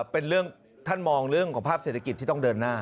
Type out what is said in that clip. เป็นเรื่องท่านมองเรื่องของภาพเศรษฐกิจที่ต้องเดินหน้า